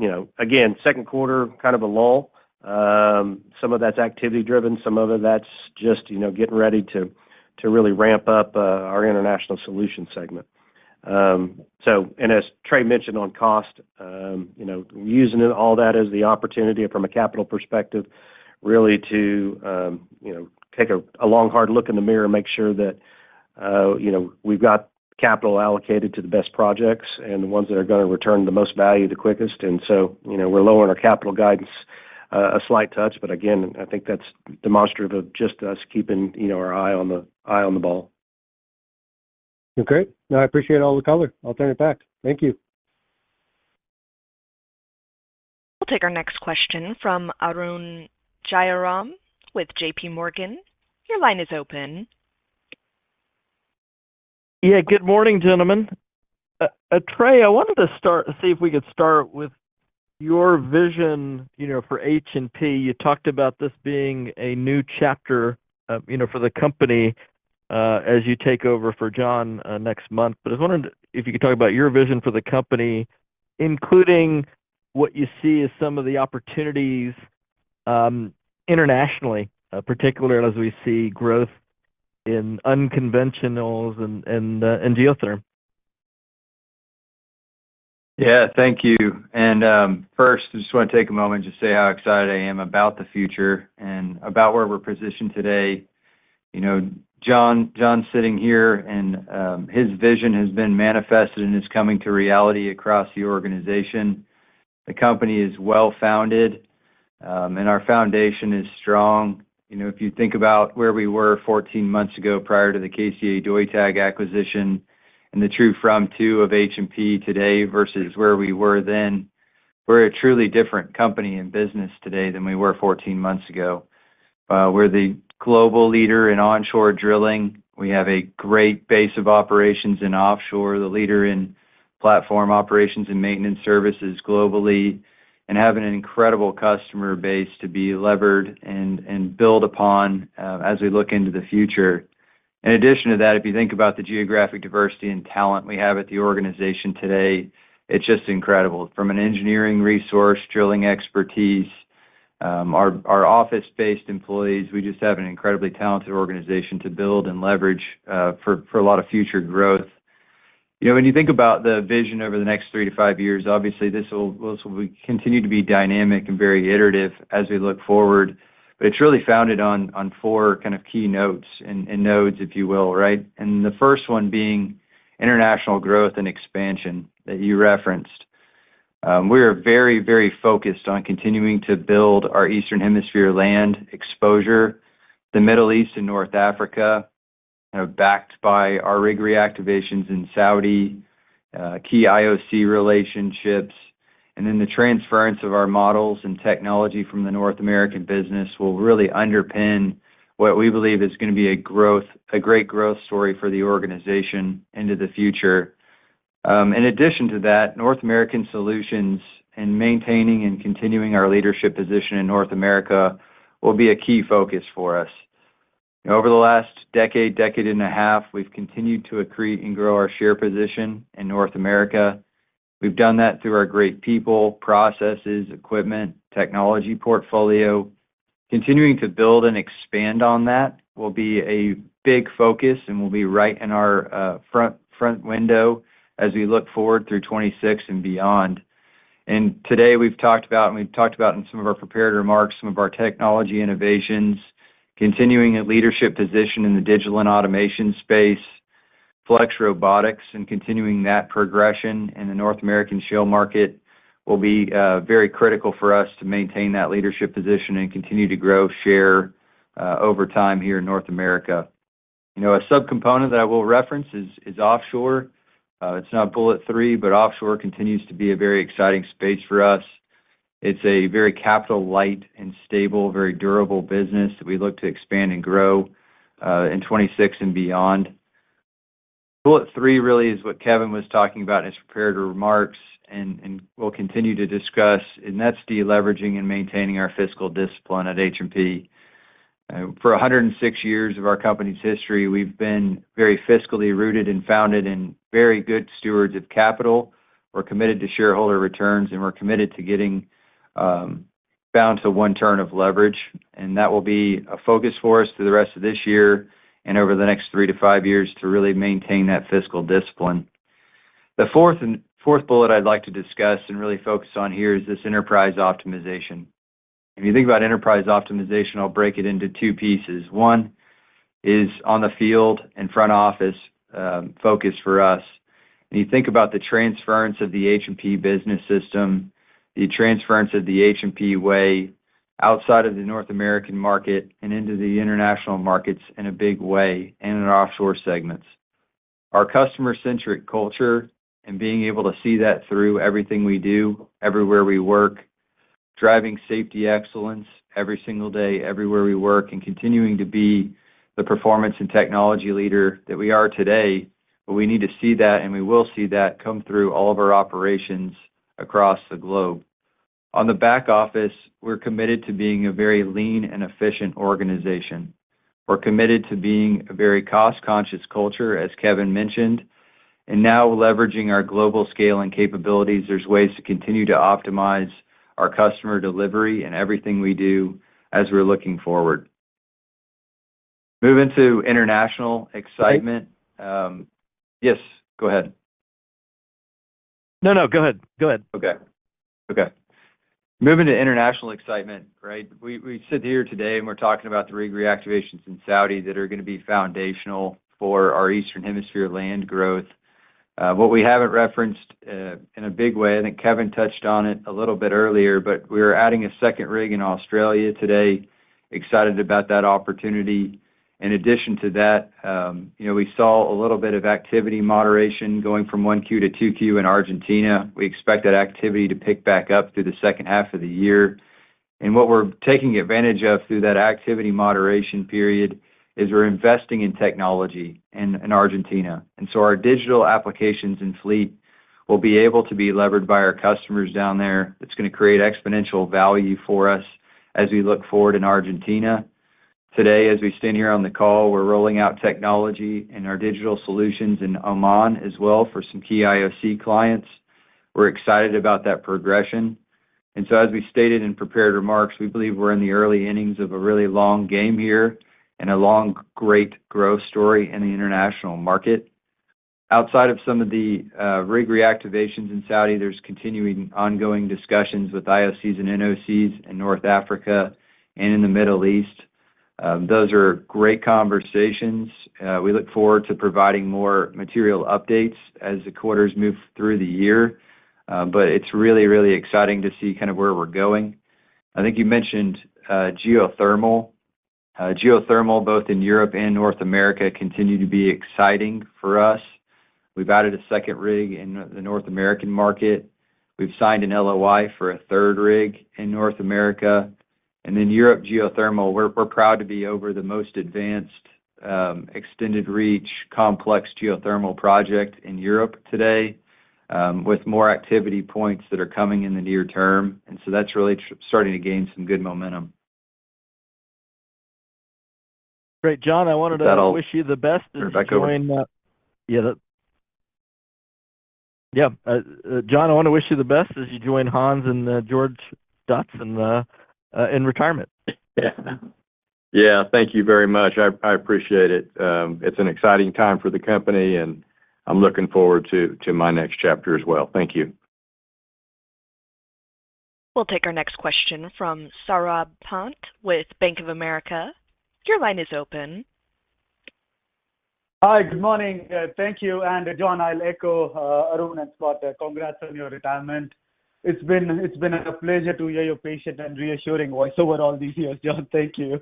So again, second quarter kind of a lull. Some of that's activity-driven. Some of it, that's just getting ready to really ramp up our international solution segment. And as Trey mentioned on cost, using all that as the opportunity from a capital perspective, really to take a long hard look in the mirror and make sure that we've got capital allocated to the best projects and the ones that are going to return the most value the quickest. And so we're lowering our capital guidance a slight touch. But again, I think that's demonstrative of just us keeping our eye on the ball. Okay. No, I appreciate all the color. I'll turn it back. Thank you. We'll take our next question from Arun Jayaram with J.P. Morgan. Your line is open. Yeah. Good morning, gentlemen. Trey, I wanted to see if we could start with your vision for H&P. You talked about this being a new chapter for the company as you take over for John next month. But I was wondering if you could talk about your vision for the company, including what you see as some of the opportunities internationally, particularly as we see growth in unconventionals and geothermal. Yeah. Thank you. First, I just want to take a moment to say how excited I am about the future and about where we're positioned today. John's sitting here, and his vision has been manifested and is coming to reality across the organization. The company is well-founded, and our foundation is strong. If you think about where we were 14 months ago prior to the KCA Deutag acquisition and the true form of H&P today versus where we were then, we're a truly different company and business today than we were 14 months ago. We're the global leader in onshore drilling. We have a great base of operations in offshore. The leader in platform operations and maintenance services globally and having an incredible customer base to be levered and build upon as we look into the future. In addition to that, if you think about the geographic diversity and talent we have at the organization today, it's just incredible. From an engineering resource, drilling expertise, our office-based employees, we just have an incredibly talented organization to build and leverage for a lot of future growth. When you think about the vision over the next 3-5 years, obviously, this will continue to be dynamic and very iterative as we look forward. But it's really founded on 4 kind of key notes and nodes, if you will, right? And the first one being international growth and expansion that you referenced. We are very, very focused on continuing to build our Eastern Hemisphere land exposure, the Middle East and North Africa, backed by our rig reactivations in Saudi, key IOC relationships. And then the transference of our models and technology from the North American business will really underpin what we believe is going to be a great growth story for the organization into the future. In addition to that, North American Solutions and maintaining and continuing our leadership position in North America will be a key focus for us. Over the last decade and a half, we've continued to accrete and grow our share position in North America. We've done that through our great people, processes, equipment, technology portfolio. Continuing to build and expand on that will be a big focus and will be right in our front window as we look forward through 2026 and beyond. Today, we've talked about and we've talked about in some of our prepared remarks, some of our technology innovations, continuing a leadership position in the digital and automation space, FlexRobotics, and continuing that progression in the North American shale market will be very critical for us to maintain that leadership position and continue to grow share over time here in North America. A subcomponent that I will reference is offshore. It's not bullet three, but offshore continues to be a very exciting space for us. It's a very capital-light and stable, very durable business that we look to expand and grow in 2026 and beyond. Bullet three really is what Kevin was talking about in his prepared remarks and will continue to discuss. That's deleveraging and maintaining our fiscal discipline at H&P. For 106 years of our company's history, we've been very fiscally rooted and founded and very good stewards of capital. We're committed to shareholder returns, and we're committed to getting bound to one turn of leverage. That will be a focus for us through the rest of this year and over the next three to five years to really maintain that fiscal discipline. The fourth bullet I'd like to discuss and really focus on here is this enterprise optimization. If you think about enterprise optimization, I'll break it into two pieces. One is on the field and front office focus for us. You think about the transference of the H&P business system, the transference of the H&P Way outside of the North American market and into the international markets in a big way and in offshore segments. Our customer-centric culture and being able to see that through everything we do, everywhere we work, driving safety excellence every single day, everywhere we work, and continuing to be the performance and technology leader that we are today. But we need to see that, and we will see that come through all of our operations across the globe. On the back office, we're committed to being a very lean and efficient organization. We're committed to being a very cost-conscious culture, as Kevin mentioned. And now, leveraging our global scale and capabilities, there's ways to continue to optimize our customer delivery and everything we do as we're looking forward. Moving to international excitement. Yes. Go ahead. No, no. Go ahead. Go ahead. Okay. Okay. Moving to international excitement, right? We sit here today, and we're talking about the rig reactivations in Saudi that are going to be foundational for our Eastern Hemisphere land growth. What we haven't referenced in a big way, I think Kevin touched on it a little bit earlier, but we are adding a second rig in Australia today. Excited about that opportunity. In addition to that, we saw a little bit of activity moderation going from 1Q to 2Q in Argentina. We expect that activity to pick back up through the second half of the year. What we're taking advantage of through that activity moderation period is we're investing in technology in Argentina. So our digital applications and fleet will be able to be levered by our customers down there. That's going to create exponential value for us as we look forward in Argentina. Today, as we stand here on the call, we're rolling out technology and our digital solutions in Oman as well for some key IOC clients. We're excited about that progression. So as we stated in prepared remarks, we believe we're in the early innings of a really long game here and a long great growth story in the international market. Outside of some of the rig reactivations in Saudi, there's continuing ongoing discussions with IOCs and NOCs in North Africa and in the Middle East. Those are great conversations. We look forward to providing more material updates as the quarters move through the year. It's really, really exciting to see kind of where we're going. I think you mentioned geothermal. Geothermal, both in Europe and North America, continue to be exciting for us. We've added a second rig in the North American market. We've signed an LOI for a third rig in North America. And then Europe geothermal, we're proud to be over the most advanced extended-reach complex geothermal project in Europe today with more activity points that are coming in the near term. And so that's really starting to gain some good momentum. Great. John, I wanted to wish you the best as you join. That'll be good. Yeah. Yeah. John, I want to wish you the best as you join Hans and George Dotson in retirement. Yeah. Thank you very much. I appreciate it. It's an exciting time for the company, and I'm looking forward to my next chapter as well. Thank you. We'll take our next question from Saurabh Pant with Bank of America. Your line is open. Hi. Good morning. Thank you. John, I'll echo Arun and Scott. Congrats on your retirement. It's been a pleasure to hear your patient and reassuring voice over all these years, John. Thank you.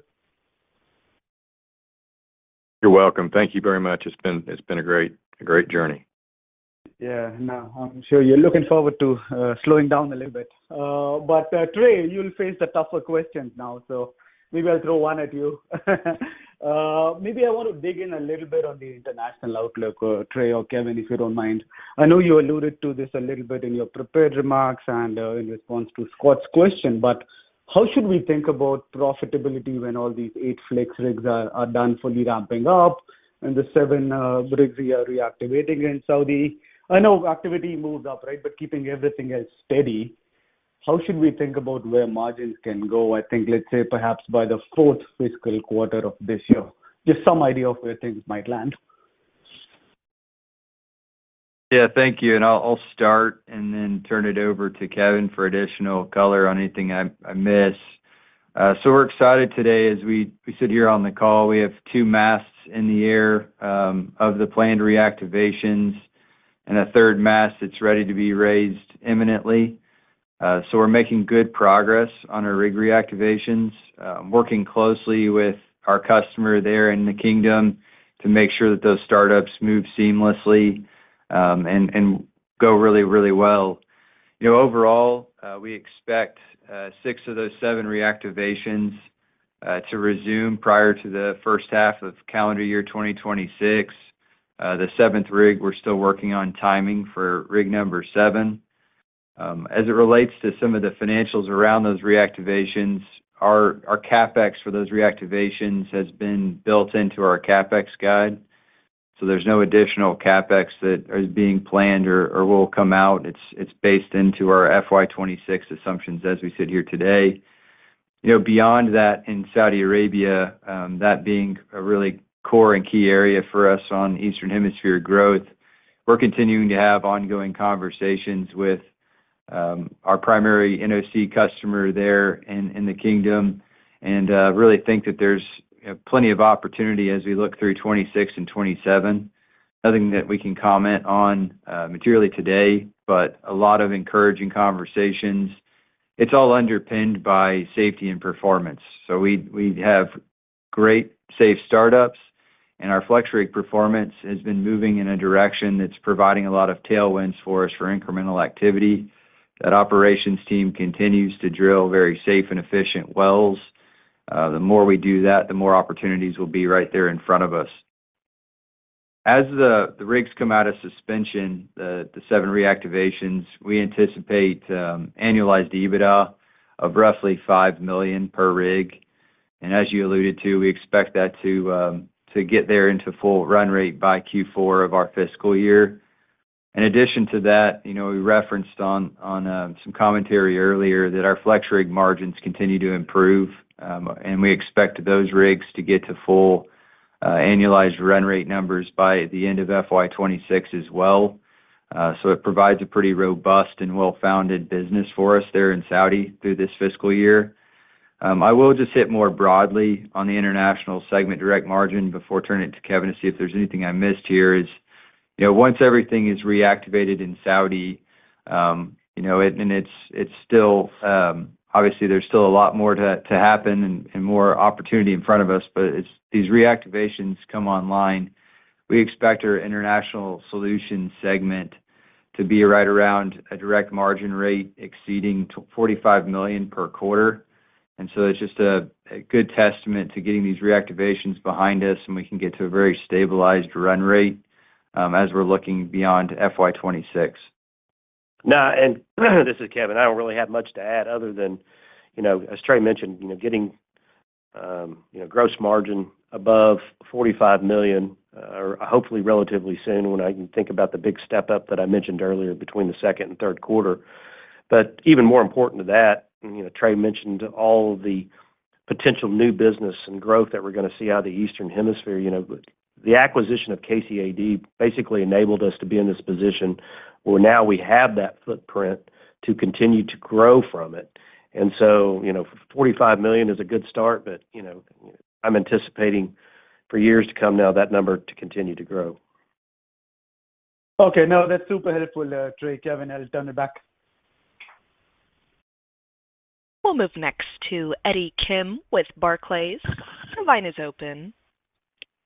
You're welcome. Thank you very much. It's been a great journey. Yeah. No, I'm sure you're looking forward to slowing down a little bit. But Trey, you'll face the tougher questions now, so maybe I'll throw one at you. Maybe I want to dig in a little bit on the international outlook, Trey or Kevin, if you don't mind. I know you alluded to this a little bit in your prepared remarks and in response to Scott's question, but how should we think about profitability when all these 8 FlexRigs are done fully ramping up and the 7 rigs we are reactivating in Saudi? I know activity moves up, right? But keeping everything else steady, how should we think about where margins can go? I think, let's say, perhaps by the fourth fiscal quarter of this year, just some idea of where things might land. Yeah. Thank you. I'll start and then turn it over to Kevin for additional color on anything I miss. So we're excited today. As we sit here on the call, we have two masts in the air of the planned reactivations and a third mast that's ready to be raised imminently. So we're making good progress on our rig reactivations, working closely with our customer there in the Kingdom to make sure that those startups move seamlessly and go really, really well. Overall, we expect six of those seven reactivations to resume prior to the first half of calendar year 2026. The seventh rig, we're still working on timing for rig number seven. As it relates to some of the financials around those reactivations, our CapEx for those reactivations has been built into our CapEx guide. So there's no additional CapEx that is being planned or will come out. It's based into our FY 2026 assumptions as we sit here today. Beyond that, in Saudi Arabia, that being a really core and key area for us on Eastern Hemisphere growth, we're continuing to have ongoing conversations with our primary NOC customer there in the Kingdom and really think that there's plenty of opportunity as we look through 2026 and 2027. Nothing that we can comment on materially today, but a lot of encouraging conversations. It's all underpinned by safety and performance. So we have great safe startups, and our FlexRig performance has been moving in a direction that's providing a lot of tailwinds for us for incremental activity. That operations team continues to drill very safe and efficient wells. The more we do that, the more opportunities will be right there in front of us. As the rigs come out of suspension, the 7 reactivations, we anticipate annualized EBITDA of roughly $5 million per rig. And as you alluded to, we expect that to get there into full run rate by Q4 of our fiscal year. In addition to that, we referenced on some commentary earlier that our FlexRig margins continue to improve, and we expect those rigs to get to full annualized run rate numbers by the end of FY 2026 as well. So it provides a pretty robust and well-founded business for us there in Saudi through this fiscal year. I will just hit more broadly on the international segment direct margin before turning it to Kevin to see if there's anything I missed here. Once everything is reactivated in Saudi, and it's still obviously, there's still a lot more to happen and more opportunity in front of us. But these reactivations come online. We expect our International Solutions segment to be right around a direct margin rate exceeding $45 million per quarter. And so it's just a good testament to getting these reactivations behind us, and we can get to a very stabilized run rate as we're looking beyond FY 2026. Now, and this is Kevin. I don't really have much to add other than, as Trey mentioned, getting gross margin above $45 million hopefully relatively soon when I can think about the big step-up that I mentioned earlier between the second and third quarter. But even more important to that, Trey mentioned all of the potential new business and growth that we're going to see out of the Eastern Hemisphere. The acquisition of KCA Deutag basically enabled us to be in this position where now we have that footprint to continue to grow from it. $45 million is a good start, but I'm anticipating for years to come now that number to continue to grow. Okay. No, that's super helpful, Trey. Kevin, I'll turn it back. We'll move next to Eddie Kim with Barclays. Your line is open.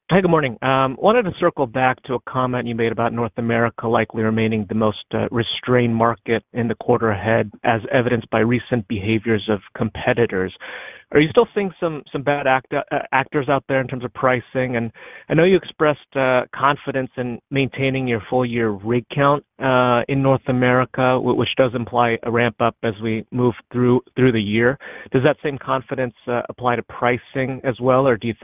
Hi. Good morning. Wanted to circle back to a comment you made about North America likely remaining the most restrained market in the quarter ahead as evidenced by recent behaviors of competitors. Are you still seeing some bad actors out there in terms of pricing? I know you expressed confidence in maintaining your full-year rig count in North America, which does imply a ramp-up as we move through the year. Does that same confidence apply to pricing as well, or do you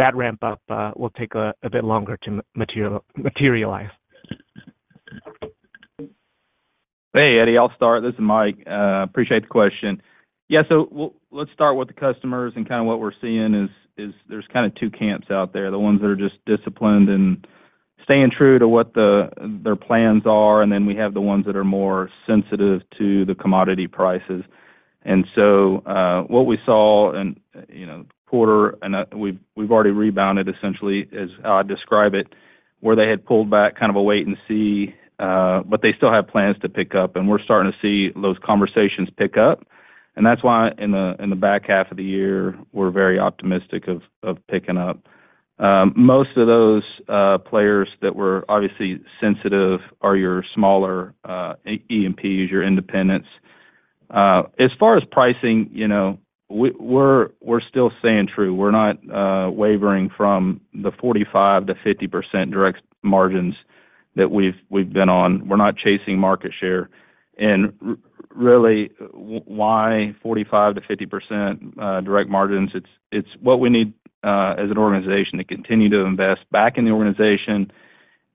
think that ramp-up will take a bit longer to materialize? Hey, Eddie. I'll start. This is Mike. Appreciate the question. Yeah. So let's start with the customers and kind of what we're seeing is there's kind of two camps out there, the ones that are just disciplined and staying true to what their plans are, and then we have the ones that are more sensitive to the commodity prices. And so what we saw in the quarter and we've already rebounded, essentially, as I describe it, where they had pulled back kind of a wait-and-see, but they still have plans to pick up. And we're starting to see those conversations pick up. And that's why in the back half of the year, we're very optimistic of picking up. Most of those players that were obviously sensitive are your smaller E&Ps, your independents. As far as pricing, we're still staying true. We're not wavering from the 45%-50% direct margins that we've been on. We're not chasing market share. And really, why 45%-50% direct margins? It's what we need as an organization to continue to invest back in the organization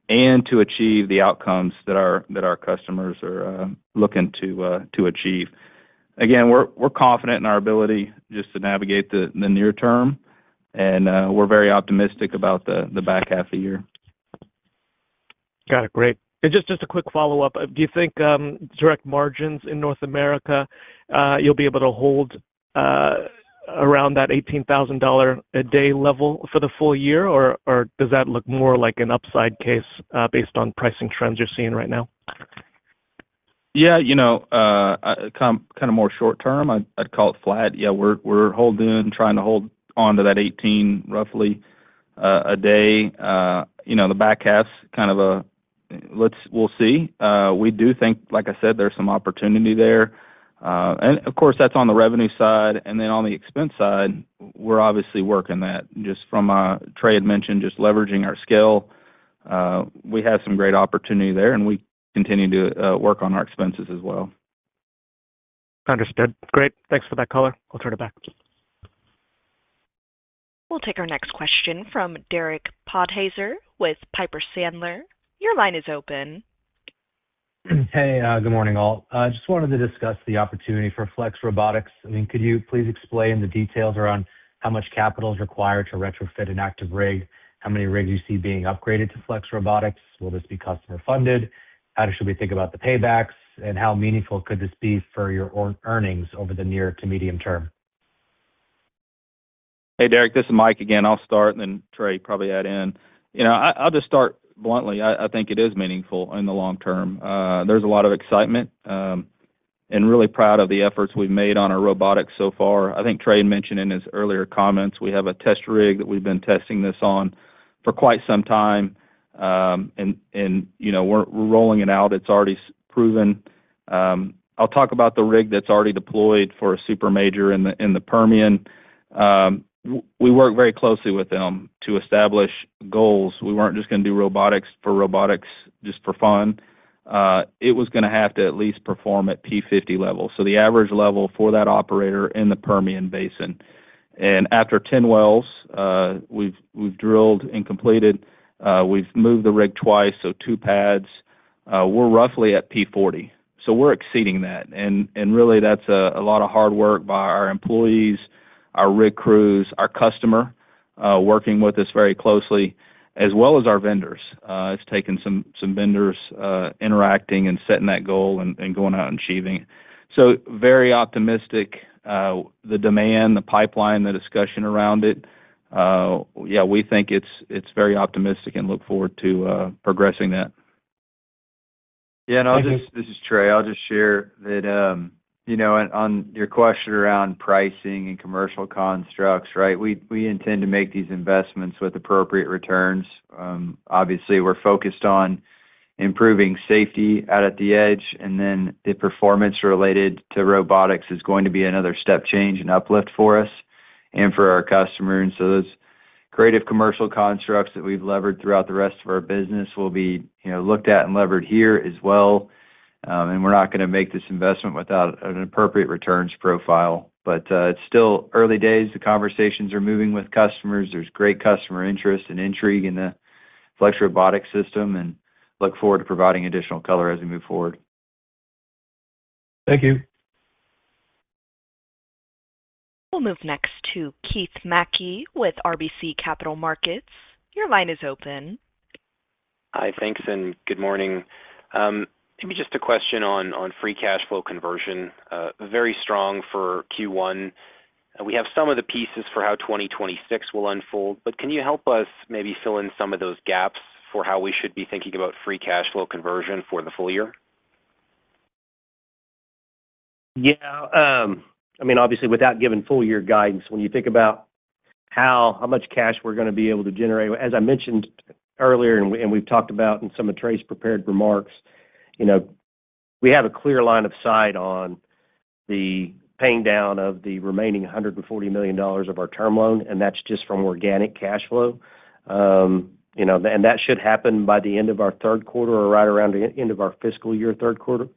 and to achieve the outcomes that our customers are looking to achieve. Again, we're confident in our ability just to navigate the near term, and we're very optimistic about the back half of the year. Got it. Great. And just a quick follow-up, do you think direct margins in North America, you'll be able to hold around that $18,000 a day level for the full year, or does that look more like an upside case based on pricing trends you're seeing right now? Yeah. Kind of more short term, I'd call it flat. Yeah. We're holding and trying to hold on to that $18 roughly a day. The back half's kind of a we'll see. We do think, like I said, there's some opportunity there. And of course, that's on the revenue side. And then on the expense side, we're obviously working that. Just from what Trey had mentioned, just leveraging our scale, we have some great opportunity there, and we continue to work on our expenses as well. Understood. Great. Thanks for that caller. I'll turn it back. We'll take our next question from Derek Podhaizer with Piper Sandler. Your line is open. Hey. Good morning, all. I just wanted to discuss the opportunity for FlexRobotics. I mean, could you please explain the details around how much capital is required to retrofit an active rig, how many rigs you see being upgraded to FlexRobotics? Will this be customer-funded? How should we think about the paybacks, and how meaningful could this be for your earnings over the near to medium term? Hey, Derek. This is Mike again. I'll start, and then Trey probably add in. I'll just start bluntly. I think it is meaningful in the long term. There's a lot of excitement and really proud of the efforts we've made on our robotics so far. I think Trey had mentioned in his earlier comments, we have a test rig that we've been testing this on for quite some time, and we're rolling it out. It's already proven. I'll talk about the rig that's already deployed for a super major in the Permian. We work very closely with them to establish goals. We weren't just going to do robotics for robotics just for fun. It was going to have to at least perform at P50 level, so the average level for that operator in the Permian Basin. After 10 wells we've drilled and completed, we've moved the rig twice, so two pads, we're roughly at P40. So we're exceeding that. Really, that's a lot of hard work by our employees, our rig crews, our customer working with us very closely, as well as our vendors. It's taken some vendors interacting and setting that goal and going out and achieving. So very optimistic, the demand, the pipeline, the discussion around it. Yeah. We think it's very optimistic and look forward to progressing that. Yeah. This is Trey. I'll just share that on your question around pricing and commercial constructs, right, we intend to make these investments with appropriate returns. Obviously, we're focused on improving safety out at the edge, and then the performance related to robotics is going to be another step change and uplift for us and for our customers. So those creative commercial constructs that we've leveraged throughout the rest of our business will be looked at and leveraged here as well. We're not going to make this investment without an appropriate returns profile. It's still early days. The conversations are moving with customers. There's great customer interest and intrigue in the FlexRobotics system, and look forward to providing additional color as we move forward. Thank you. We'll move next to Keith Mackey with RBC Capital Markets. Your line is open. Hi. Thanks. Good morning. Maybe just a question on free cash flow conversion. Very strong for Q1. We have some of the pieces for how 2026 will unfold, but can you help us maybe fill in some of those gaps for how we should be thinking about free cash flow conversion for the full year? Yeah. I mean, obviously, without giving full-year guidance, when you think about how much cash we're going to be able to generate, as I mentioned earlier and we've talked about in some of Trey's prepared remarks, we have a clear line of sight on the paying down of the remaining $140 million of our term loan, and that's just from organic cash flow. And that should happen by the end of our third quarter or right around the end of our fiscal year, third quarter.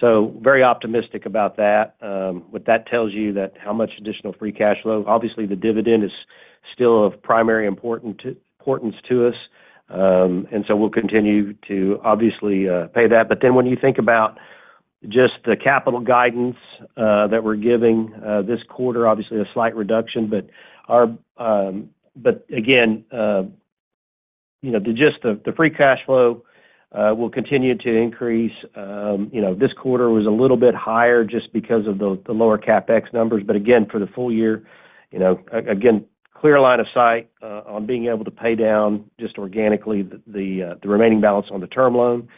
So very optimistic about that. What that tells you that how much additional free cash flow obviously, the dividend is still of primary importance to us, and so we'll continue to obviously pay that. But then when you think about just the capital guidance that we're giving this quarter, obviously, a slight reduction. But again, just the free cash flow will continue to increase. This quarter was a little bit higher just because of the lower CapEx numbers. But again, for the full year, again, clear line of sight on being able to pay down just organically the remaining balance on the term loan.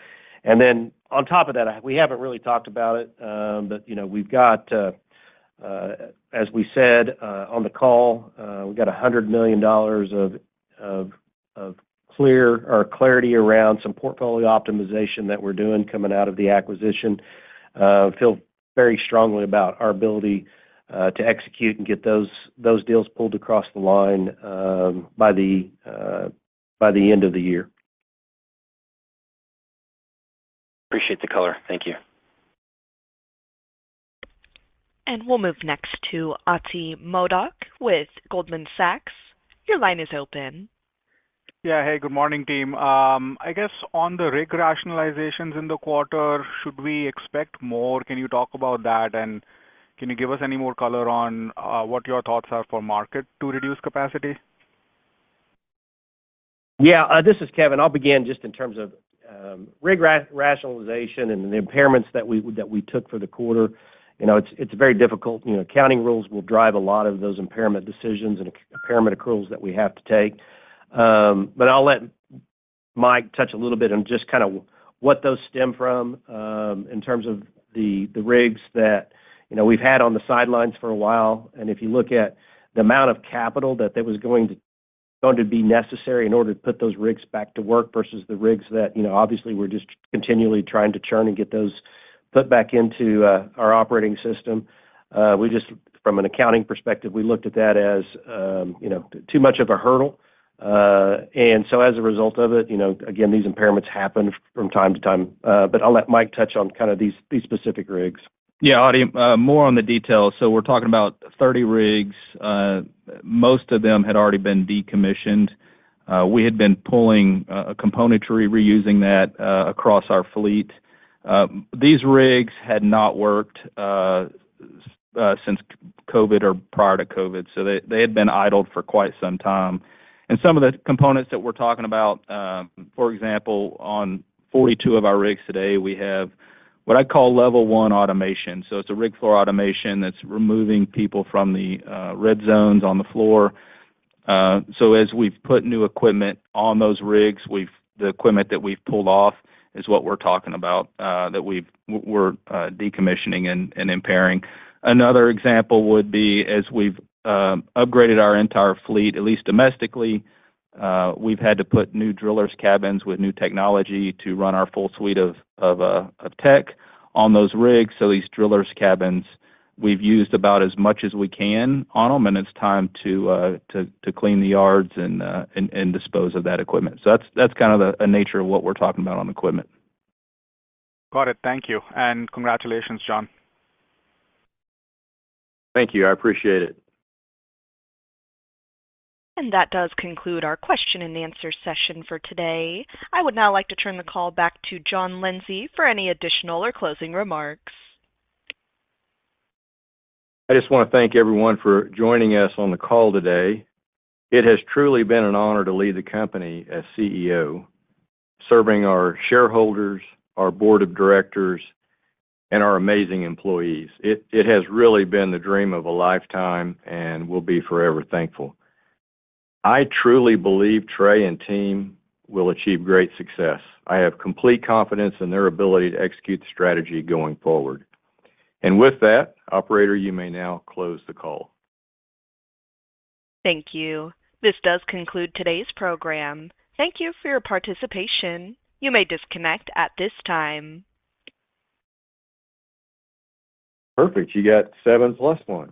And then on top of that, we haven't really talked about it, but we've got, as we said on the call, we've got $100 million of clarity around some portfolio optimization that we're doing coming out of the acquisition. Feel very strongly about our ability to execute and get those deals pulled across the line by the end of the year. Appreciate the color. Thank you. We'll move next to Ati Modak with Goldman Sachs. Your line is open. Yeah. Hey. Good morning, team. I guess on the rig rationalizations in the quarter, should we expect more? Can you talk about that, and can you give us any more color on what your thoughts are for market to reduce capacity? Yeah. This is Kevin. I'll begin just in terms of rig rationalization and the impairments that we took for the quarter. It's very difficult. Accounting rules will drive a lot of those impairment decisions and impairment accruals that we have to take. But I'll let Mike touch a little bit on just kind of what those stem from in terms of the rigs that we've had on the sidelines for a while. And if you look at the amount of capital that was going to be necessary in order to put those rigs back to work versus the rigs that obviously, we're just continually trying to churn and get those put back into our operating system. From an accounting perspective, we looked at that as too much of a hurdle. And so as a result of it, again, these impairments happen from time to time. But I'll let Mike touch on kind of these specific rigs. Yeah. Ati, more on the details. So we're talking about 30 rigs. Most of them had already been decommissioned. We had been pulling a componentry, reusing that across our fleet. These rigs had not worked since COVID or prior to COVID, so they had been idled for quite some time. And some of the components that we're talking about, for example, on 42 of our rigs today, we have what I call Level 1 automation. So it's a rig floor automation that's removing people from the Red Zone on the floor. So as we've put new equipment on those rigs, the equipment that we've pulled off is what we're talking about that we're decommissioning and impairing. Another example would be, as we've upgraded our entire fleet, at least domestically, we've had to put new driller cabins with new technology to run our full suite of tech on those rigs. So these driller cabins, we've used about as much as we can on them, and it's time to clean the yards and dispose of that equipment. So that's kind of the nature of what we're talking about on equipment. Got it. Thank you. Congratulations, John. Thank you. I appreciate it. That does conclude our question and answer session for today. I would now like to turn the call back to John Lindsay for any additional or closing remarks. I just want to thank everyone for joining us on the call today. It has truly been an honor to lead the company as CEO, serving our shareholders, our board of directors, and our amazing employees. It has really been the dream of a lifetime and will be forever thankful. I truly believe Trey and team will achieve great success. I have complete confidence in their ability to execute the strategy going forward. With that, operator, you may now close the call. Thank you. This does conclude today's program. Thank you for your participation. You may disconnect at this time. Perfect. You got 7s + 1.